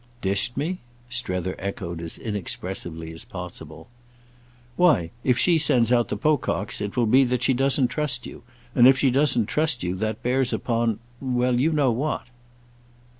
"Dished me?" Strether echoed as inexpressively as possible. "Why if she sends out the Pococks it will be that she doesn't trust you, and if she doesn't trust you, that bears upon—well, you know what."